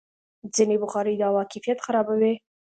ځینې بخارۍ د هوا کیفیت خرابوي.